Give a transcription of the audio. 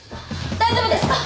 大丈夫ですか？